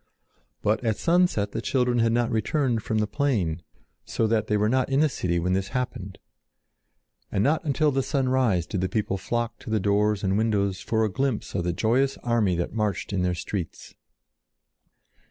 But at sunset the children had not returned from the plain, so that they were not in the city when this happened. And not until the sunrise did the people flock to the doors and windows for a glimpse of the joyous army that marched in their streets.